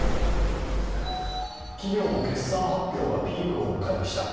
企業の決算発表がピークを迎えました。